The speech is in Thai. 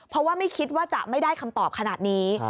เพราะว่าไม่คิดว่าจะไม่ได้คำตอบขนาดนี้